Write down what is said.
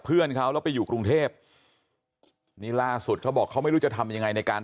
เพื่อนเขาแล้วไปอยู่กรุงเทพนี่ล่าสุดเขาบอกเขาไม่รู้จะทำยังไงในการ